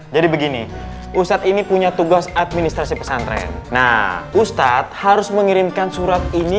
jadi begini ustadz ini punya tugas administrasi pesantren nah ustadz harus mengirimkan surat ini